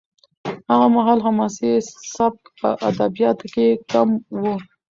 هغه مهال حماسي سبک په ادبیاتو کې کم و.